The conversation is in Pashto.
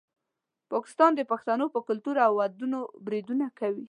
پاکستان د پښتنو په کلتور او دودونو بریدونه کوي.